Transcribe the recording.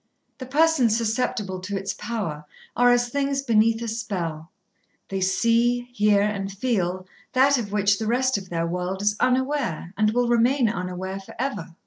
The persons susceptible to its power are as things beneath a spell. They see, hear, and feel that of which the rest of their world is unaware, and will remain unaware for ever.